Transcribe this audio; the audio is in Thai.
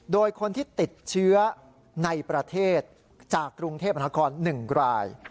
โดยคนที่ติดเชื้อในประเทศจากกรุงเทพนคร๑ราย